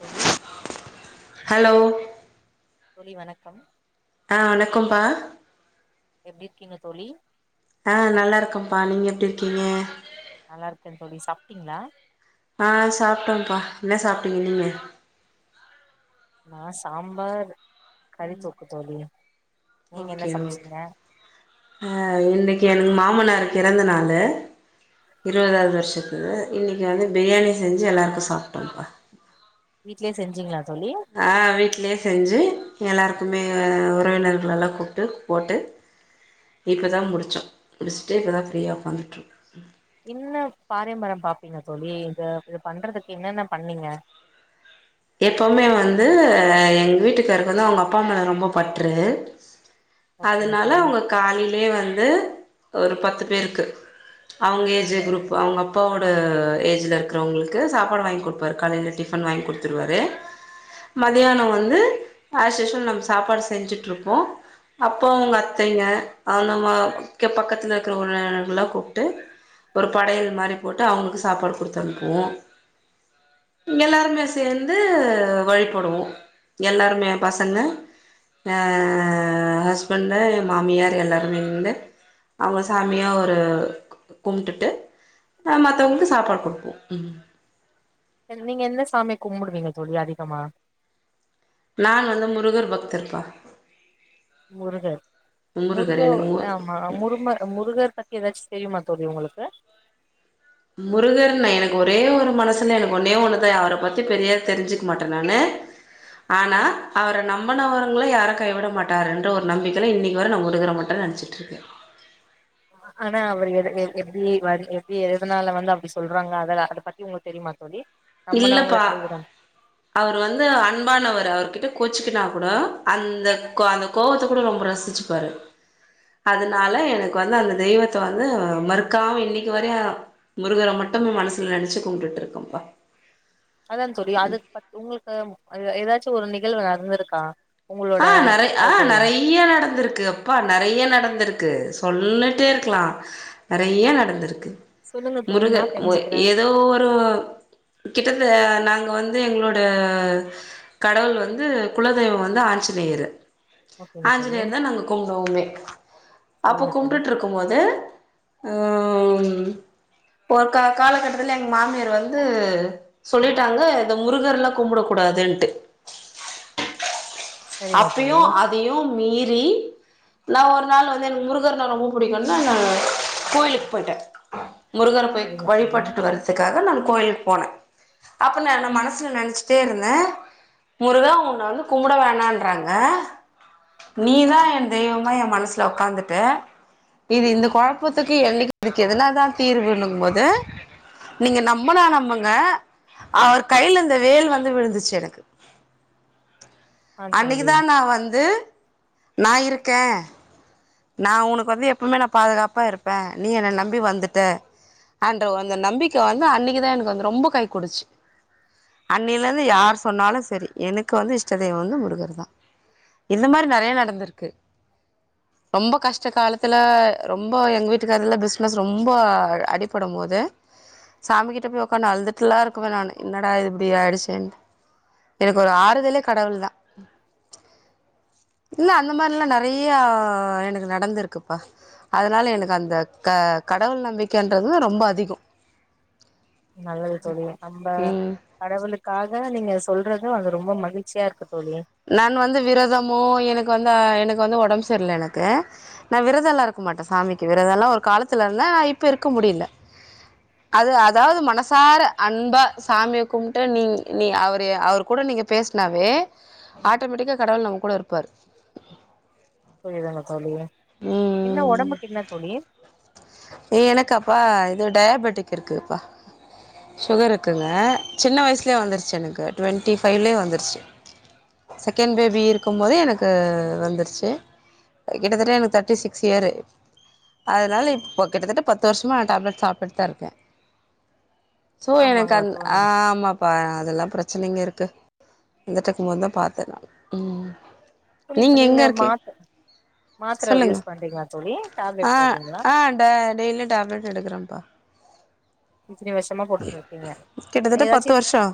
தோழி ஹலோ தோழி வணக்கம் ஆ வணக்கம்ப்பா எப்டி இருக்கிங்க தோழி ஆ நல்லா இருக்கம்ப்பா நீங்க எப்டி இருக்கீங்க நல்லா இருக்கே தோழி சாப்ட்டிங்களா ஆ சாப்ட்டேம்ப்பா என்ன சாப்ட்டீங்க நீங்க நா சாம்பார் கறித்தொக்கு தோழி நீங்க என்ன ஓகே ஓகே சமச்சீங்க ஆ இன்னைக்கு எனக்கு மாமனாருக் இறந்த நாளு இருவதாவது வருஷத்து இன்னைக்கி வந்து பிரியாணி செஞ்சு எல்லாருக்கு சாப்ட்டோம்ப்பா வீட்லயே செஞ்சிங்களா தோழி ஆ வீட்லையே செஞ்சு எல்லாருக்குமே உறவினர்கள் எல்லா கூப்ட்டு போட்டு வீட்ல தா முடிச்சோ முடிச்சுட்டு இப்போ தா ஃப்ரீயா ஒக்காந்துட்டிருக்கோ இன்னு பாரம்பரிய பாப்பீங்களா தோழி இது இது பண்றதுக்கு என்னென்ன பண்ணீங்க எப்போவுமே வந்து எங்க வீட்டுக்காருக்கு வந்து அவுங்க அப்பா மேல ரொம்ப பட்று ஓகேங்க அதுனால தோழி அவங்க காலைலயே வந்து ஒரு பத்து பேருக்கு அவுங்க ஏஜ் குரூப் அவங்க அப்பாவோட ஏஜ்ல இருக்கறவங்களுக்கு சாப்பாடு வாங்கி குடுப்பாரு காலைல டி ஃபன் வாங்கி குடுத்துருவாரு மதியானோ வந்து ஆஸ்யூஷ்வல் நம்ம சாப்பாடு செஞ்சுட்ருப்போ அப்போ அவுங்க அத்தைங்க அனுமா இங்க பக்கத்துல இருக்கறவங்களா எல்லா கூப்ட்டு ஒரு படையல் மாறி போட்டு அவுங்களுக்கு சாப்பாடு குடுத்து அனுப்புவோ எல்லாருமேச் த்திருந்து வழிபடுவோ எல்லாருமே பசங்க ஆ ஹஸ்பெண்ட்டு மாமியார் எல்லாருமே இந்து அவுங்க சாமியா ஒரு கு கும்ட்டுட்டு ஆ மத்தவங்களுக்கு சாப்பாடு குடுப்போ ம் சரி நீங்க எந்த சாமிய கும்புடுவீங்க தோழி அதிகமா நான் வந்து முருகர் பக்தர்க்கா முருகர் முருக முருகர் எனக்கு மு ஆமா முருங்க முருகர் பத்தி ஏதாச்சு தெரிமா தோழி உங்களுக்கு முருகர்னா எனக்கு ஒரே ஒரு மனசுல எனக்கு ஒன்னே ஒன்னு தா அவர பத்தி பெரியா தெரிஞ்சுக்க மாட்டே நானு ஆனா அவர நம்பனவருங்கள யாரு கைவிட மாட்டாருன்ற ஒரு நம்பிக்கைல இன்னைக்கு வர நா முருகர மட் டு நெனச்சுட்ருக்கே ஆனா அவர் எது எப் எப்டி வ எப்டி எதுனால வந்து அப்டி சொல்றாங்க அத அத பத்தி உங்களுக்கு தெரியுமா தோழி நம்புனவங்கள இல்லப்பா கைவிட அவர் வந்து அன்பானவர் அவருகிட்ட கோச்சுக்கினா கூட அந்த அந்த கோவத்த கூட ரொம்ப ரசிச்சு பாரு அதனால எனக்கு வந்து அந்த தெய்வத்த வந்து மறுக்காம இன்னைக்கு வரயு முருகர மட்டு மனசுல நெனச்சு கும்புட்டு இருக்கப்பா அதா தோழி அது பத்தி உங்களுக்கு எதாச்சு ஒரு நிகழ்வு நடந்திருக்கா உங்களோட ஆ நெறை ஆ வாழ்க்கைல நெறைய நடந்திருக்கு அப்பா நெறைய நடந்திருக்கு சொல்லிட்டே இருக்கலா நெறைய நடந்திருக்கு சொல்லுங்க தோழி நா முருகர் தெரிஞ்சுக்கிறேன் ஏதோ ஒரு கிட்டத்த நாங்க வந்து எங்களோட கடவுள் வந்து குலதெய்வோ வந்து ஆ ஞ்சிநேயரு ஓகேங்க தோழி ஆஞ்சிநேயரு தா நாங்க கும்புடுவோமே அப்ப சரிங்க தோழி கும்ட்டுட்ருக்க குமோது ம் ஒரு காலகட்டத்துல எங்க மாமியார் வந்து சொல்லிட்டாங்க இத முருகர்ல்லா கும்பட கூடாதுன்ட்டு சரிங்க தோழி அப்பையு அதையு மீறி நா ஒரு நாள் வந்து எனக்கு முருகர்னா ரொம்ப புடிக்குன்னா நா கோயிலுக்கு போயிட்ட முருகர போய் சரிங்க தோழி வழிபட்டுட்டு வரதுக்காக நா கோயிலுக்கு போன அப்ப நா நா மனசுல நெனச்சிட்டே இருந்த முருகா உன்னை வந்து கும்ட வேணான் றாங்க நீதா எ தெய்வமா எ மனசுல உக்காந்துட்ட இது இந்த குழப்பத்துக்கு எ [inaudible] க்கு இதுக்கு எதன தா தீர்வுங்க போது நீங்க நம்பனா நம்புங்க அவர் கையில இந்த வேல் வந்து விழுந்துச்சு எனக்கு ஆ அன்னைக்கு தோழி தா நா வந்து நா இருக்கே நா உனக்கு வந்து எப்பமே நா பாதுகாப்பா இருப்ப நீ என்ன நம்பி வந்துட்ட அன்ற அந்த நம்பிக்க வந்து அன்னைக்குதா எனக்கு வந்து ரொம்ப கை கொடுச்சு அன்னைலேந்து யார் சொன்னாலு சரி எனக்கு வந்து இஷ்டதெய்வம் வந்து முருகர் தா இந்த மாரி நெறைய நடந்துருக்கு ரொம்ப கஷ்ட காலத்தில ரொம்ப எங்க வீட்டுக்கார்ல பிஸ்னஸ் ரொம்ப அடிப்படும் போது சாமி கிட்ட போய் உக்கானு அழுதுட்டுலா இருக்குவே நானு என்னடா இப்டி ஆயிடுச்சேன்னு எனக்கு ஒரு ஆறுதலே கடவுள் தா இல்ல அந்த மாரில்லா நெறையா எனக்கு நடந்திருக்குப்பா அதனால எனக்கு அந்த க கடவுள் நம்பிக்கைன்றது ரொம்ப அதிகோ நல்லது தோழி நம்ப ம் கடவுளுக்காக நீங்க சொல்றது அது ரொம்ப மகிழ்ச்சியா இருக்கு தோழி நான் வந்து விரதமோ எனக்கு வந்து எனக்கு வந்து ஒடம்பு செர்ல எனக்கு நா விரதல்லா இருக்க மாட்ட சாமிக்கு விரதல்லா ஒரு காலத்துல இருந்த நா இப்ப இருக்க முடியல அது அதாவது மனசார அன்பா சாமிய கும்ட்டு நீ நீ அவரு அவர் கூட நீங்க பேசனாவே ஆட்டோமேட்டிக்கா கடவுள் நம்ம கூட இருப்பார் சுழிதான தோழி என்ன ஒடம்புக்கு என்ன தோழி ஏ எனக்காப்பா இது டயாபெட்டிக் இருக்குப்பா சுகர் இருக்குங்க சின்ன வயசுலே வந்துருச்சு எனக்கு ட்வெண்ட்டி ஃபைவ்லே வந்துருச்சு செகண்ட் பேபி இருக்கும் போதே எனக்கு வந்துருச்சு கிட்டத்தட் [unintelligible] எனக்கு தேட்டி சிக்ஸ் இயர்ரு அதனால இப்போ கிட்டத்தட்ட பத்து வருஷமா நா டேப்லட் சாப்டுட் தா இருக்கேன சோ எனக்கு ஆமாங்களா அந்த் தோழி ஆமா பா அதெல்லா பிரச்சனைங்க இருக்கு இர்ந்தட்ருக்கும் போது தா பாத்தே நான் தோழி இப்ப நீங்க மாத்த சொல்லுங்க அ டேப்லெட் போடுறீங்களா ஆ டெய்லி டேப்லெட் எடுக்குறன்ப்பா எத்தின வர்ஷமா போட்டுட்டு இருக்கீங்க கிட்டத்தட்ட எதாச்சு பத்து வருஷம்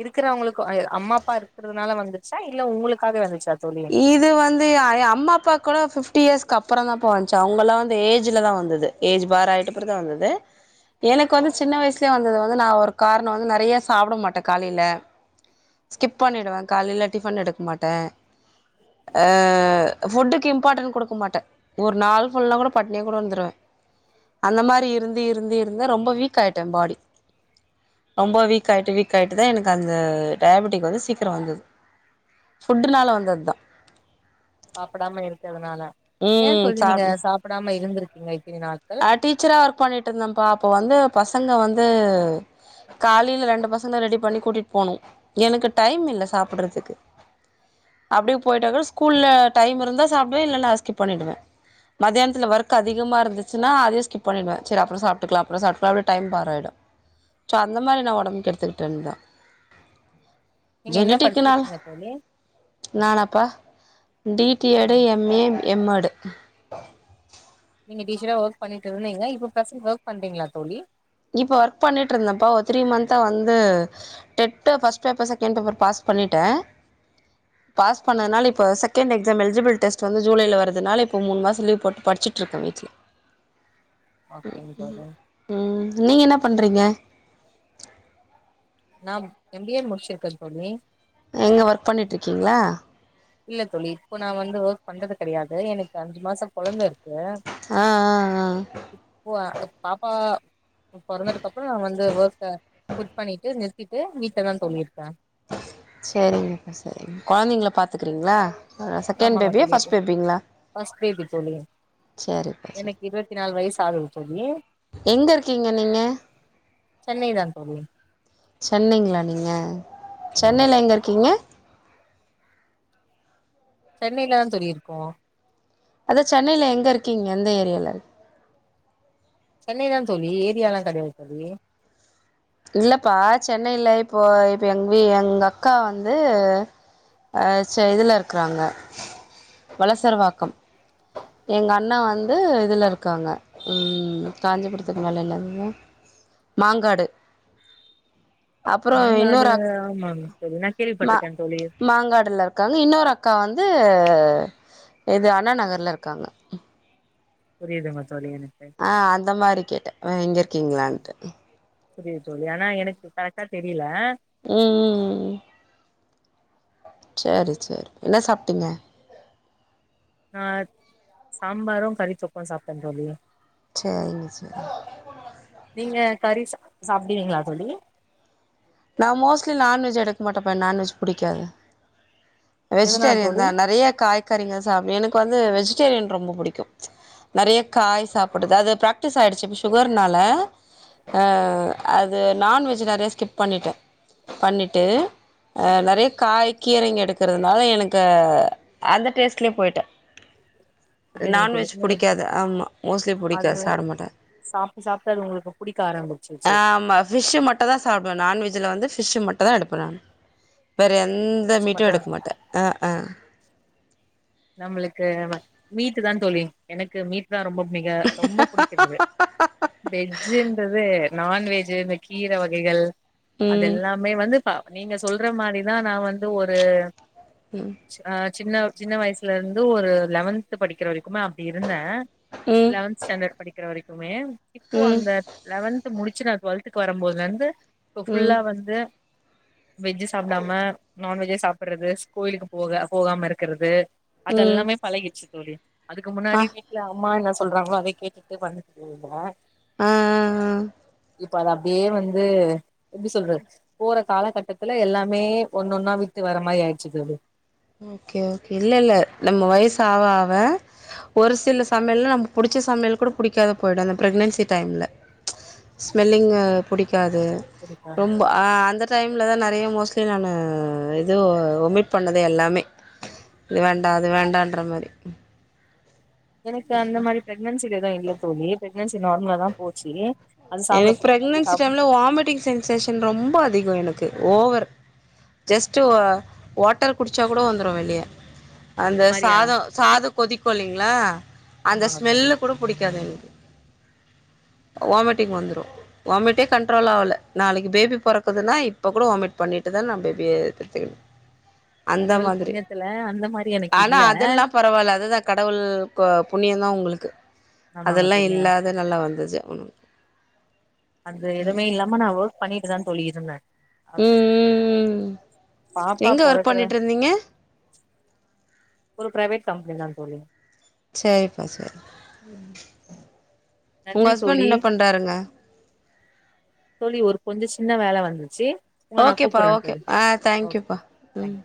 இருக்குறவங்களுக்கு அம்மா அப்பா இருக்றதுனால வந்துச்சா இல்ல உங்களுக்காவே வந்துச்சா தோழி இது வந்து அம்மா அப்பா கொனட ஃபிஃப்டி இயர்ஸ்கு அப்பறொ தாப்பா வந்ச்சு அவுங்கலா வந்து ஏஜ்ல தான வந்தது ஏஜ் பார் ஆாயட் அப்புறந் தா வந்தது எனக்கு வந்து சின்ன வயசுலே வந்தது வந்து நான ஒரு காரணொ வந்து நெறைய சாப்ட மாட்டே காலைல ஸ்கிப் பண்ணிடுவே காலைல டிஃபன் எடுக்க மாட்டே ஆ ஃபுட்டுக்கு இம்பார்ட்டன் கொடுக்க மாட்டே ஒரு நாள் ஃபுல்லா கொட பட்னியா கூட இர்ந்துர்வே அந்த மாரி இருந்து இருந்து இருந்து ரொம்ப வீக் ஆய்ட்டே பாடி ரொம்ப வீக் ஆய்ட்டு வீக் ஆய்ட்டு தா எனக்கு அந்த டயாபெட்டிக் வந்து சீக்கரொ வந்தது ஃபுட்டுனால வந்தத்தா சாப்டாம இருக்கற்துனால ஏ ம் தோழி நீங்க சாப் சாப்புடாம இருந்துருக்கீங்க இத்தினி நாட்கள் நா டீச்சரா ஒர்க் பண்ணிட்ருந்தம்பா அப்ப வந்து பசங்க வந்து காலைல ரெண்டு பசங்க ரெடி பண்ணி கூட்டிட்டு போனு எனக்கு டைம் இல்ல சாப்புட்றதுக்கு அப்டியு போய்டா கொட ஸ்கூல்ல டைம் இருந்தா சாப்டுவே இல்லனா ஸ்கிப் பண்ணிடுவே மத்யான்த்துல ஒர்க் அதிகமா இருந்துச் சுனா அதையு ஸ்கிப் பண்ணிடுவே சேர் அப்றோ சப்ட்டுக்லா அப்றோ சாப்க்லா அப்டே டைம்‌ பார் ஆய்டு சோ அந்த மாரி நா ஒடம்ப் கெடுத்துக்குட்டே தா நீங்க என்ன ஜெனிட்டிக்னா படிச்சிருக்கீங்க தோழி நானாப்பா டி டி எட் ஆமா எம் ஏ எம் மெடு நீங்க டீச்சரா ஓக் பண்ணிட் இருந்தீங்க இப்ப ப்ரஸன் ஓக் பண்றீங்ளா தோழி இப்ப ஒர்க் பண்ணிட்ருந்தம்பா ஒர் த்ரீ மந்தா வந்து டெட்ட first paper second paper pass பண்ணிட்டே பாஸ் பண்ணனால இப்போ செகண்ட் எக்ஸாம் எல்ஜிபில் டெஸ்ட் வந்து ஜூலைல வரதுனால இப்போ மூனு மாசொ லீ்வ் போட்டு படுச்சுட்ருக்க வீட்ல ஓகேங்க தோழி ம் நீங்க என்ன பண்றீங்க நாம் எம் பி ஏ முட்ச்சிருக்க தோழி எங்க ஒர்க் பண்ணிட்ருக்கீங்ளா இல்ல தோழி இப்ப நா வந்து ஓக் பண்றது கெடையாது எனக்கு அஞ்சு மாச கொழந்த இருக்கு அ அ அ இப்போ அ பாப்பா பொறந்ததுக்கப்றோ நா வந்து வோக்க க்வுட் பண்ணிட்டு நிறுத்திட்டு வீட்ல தா தோழி இருக்க சேரிங்ககா சேரி கொழந்தைங்ள பாத்துக்றீங்ளா அ செகண்ட் ஆமாங்க பேபியா தோழி ஃபஸ்ட் பேபிங்ளா ஃபர்ஸ்ட் பேபி சேரிபா சேரி பதினாலு வயசு ஆகுது தோழி எங்க இருக்கீங்க நீங்க சென்னை தா தோழி சென்னைங்ளா நீங்க ஆமாங்க சென்னைல தோழி எங்க இருக்கீங்க சென்னைல தா தோழி இருக்கோ அதா சென்னைல எங்க இருக்கீங்க எந்த ஏரியால சென்னை தா தோழி ஏரியாலா கெடையாது தோழி இல்லப்பா சென்னைல இப்போ இப்ப எங் வீ எங்க அக்கா வந்து அ ச இதுல இருக்குறாங்க வலசரவாக்கம் எங்க அண்ண வந்து இதுல இருக்காங்க ம் காஞ்சிபுரதுக்கு மேல என்னது மாங்காடு அப்பறோ மாங்காடு இன்னொரு அக் ஆமாங்க தோழி நா ம கேள்விப்பட்டிருக்கே தோழி மாங்காடுல இருக் காங்க இன்னொரு அக்கா வந்து இது அண்ணா நகர்ல இருக்காங்க புரியிதுங்க தோழி எனக் ஆ அந்த மாரி கேட்டே வ இங்க இருக்கீங்ளான்ட்டு புரியிது தோழி ஆனா எனக்கு கரெக்டா தெரியில ம் ம் ம் சேரி சேரி என்ன சாப்ட்டிங்க நா சாம்பாரு கறிதொக்கு சாப்ட தோழி சேரிங்க சே நீங்க கறி சா சாப்டுவீங்ளா தோழி நா மோஸ்ட்லி நான்வெஜ் எடுக்க மாட்ட பா என் நான்வெஜ் புடிக்காது எதனால வெஜ்டேரியன் தோழி தா நெறையா காய்கறிங்க சாப் எனக்கு வந்து வெஜ்டேரியன் ரொம்ப புடிக்கு நெறையா காய் சாப்புடுதா அது ப்ராக்டிஸ் ஆய்டுச்சு சுகர்னால ஆ அது நான்வெஜ் நெறையா ஸ்கிப் பண்ணிட்டே பண்ணிட்டு ஆ நெறையா காய் கீரைங்க எடுக்குறதுனால எனக்கு அந்த டேஸ்ட்லே போய்ட்டே புரியுதுங்க தோழி நான்வெஜ் உங்களுக்கு புடிக்காது ஆமா மோஸ்ட்லி அது புடிக்காது சாப்ட மாட்டே சாப்ட்டு சாப்ட்டு அது உங்களுக்கு புடிக்க ஆரம்மிச்சுருச்சு ஆமா ஃபிஷ்ஷு மட் ட்டு தா சாப்டுவே நான்வெஜ்ஜுல வந்து ஃபிஷ்ஷு மட்டு தா எடுப்பே நானு வேற எந்த மீட்டு மட்டு எடுக்க மாட்டே ஆ ஆ நம்மளுக்கு மீட்டு தா தோழி எனக்கு மீட்னா ரொம்ப புடிக்கு ரொம்ப புடிக்கு தோழி வெஜ்ஜுன்றது நான்வெஜ்ஜு இந்த கீர வகைகள் ம். அதல்லாமே வந்து பா நீங்க சொல்ற மாரிதா நா வந்து ஒரு ம் ஆ் சின்ன சின்ன வயசுல இருந்து ஒரு லெவன்த்து படிக்கிற வரைக்குமே அப் டி இருந்தே ம். லெவன்த் ஸ்டாண்டர்ட் படிக்கிற வரைக்குமே இப்போ ம். அந்த லெவன்த் முடிச்சு நா டுவெல்த்துக்கு வரம்போதுல இருந்து இப்ப ம். ஃபுல்லா வந்து வெஜ்ஜு சாப்டாம நான்வெஜ்ஜே சாப்பிட்றது ஸ் கோயிலுக்கு போக போகாம இருக்கிறது ம். அதெல்லாமே பழகிர்ச்சு தோழி அதுக்கு ஆ. முன்னாடி வீட்ல அம்மா என்ன சொல்றாங்களோ அதே கேட்டுட்டு வந்துக்கிட்டு இருந்தே ம் ம் ம் இப்ப அத அப்டியே வந்து எப்டி சொல்றது போற காலகட்டத்துல எல்லாமே ஒன்னொன்னா விட்டு வர மாரி ஆயிருச்சு தோழி ஓகே ஓகே இல்லல்ல நம்ம வயசு ஆவ ஆவ ஒரு சில சமையல்ல நமக்கு புடிச்ச சமையல் கூட புடிக்காது போயிடு அந்த பிரக்னன்சி டைம்ல ஸ்மெல்லிங்கு புடிக்காது ரொம்ப ஆ அந்த டைம்ல தா நெறையா மோஸ்ட்லி நானு எதோ ஒமிட் பண்ணது அது எல்லாமே இது வேண்டா அது வேண்டான்ற மாரி எனக்கு அந்த மாரி பிரெக்னன்சில எது இல்ல தோழி பிரெக்னன்சி நார்மலா தா போச்சு அது சாப்ட எனக்கு புடிக்கல இது பிரக்னன்சி சாப்ட டைம்ல வாமிட்டிங் சென்சேஷன் ரொம்ப அதிகோ எனக்கு ஓவர் ஜஸ்ட்டு வ வாட்டர் குடுச்சா கூட வந்துரு வெளிய அந்த சாதோ சாதோ கொதிக்கு இல்லைங்களா அந்த ஆமாங்க தோழி ஸ்மெல்லு கூட புடிக்காது எனக்கு வாமிட்டிங் வந்துரு வாமிட்டே கண்ட்ரோல் ஆவல நாளைக்கு பேபி பொறக்குதுனா இப்போ கூட வாமிட் பண்ணிட்டு தா நான் பேபிய பெத்து கடவுள் புண்ணியத்துல அந்த மாரி எனக்கு ஆனா இல்ல அதெல்லா பரவால்ல அதுதா கடவுள் கு புண்ணியந்தா உங்களுக்கு ஆமாங்க அதெல்லா தோழி இல்லாத நல்லா வந்துச்சு ம் அது எதுமே இல்லாம நா வொர்க் பண்ணிட்டு தா தோழி இருந்தே அ ம் ம் ம் பாப்பா எங்க ஒர்க் பொறக்கற பண்ணிட்ருந்தீங்க ஒரு பிரைவேட் கம்பெனி தா தோழி சரிப்பா சரி உங்க நன்றி தோழி ஹஸ்பண்ட் என்ன பண்றாருங்க தோழி ஒரு கொஞ்சோ சின்ன வேல வந்துச்சு உங்கள நா ஓகேப்பா கூப்புட்றே ஓக்கே தோழி ஆ தேங்க் ஓகே யூப்பா தேங்க்யூ ம்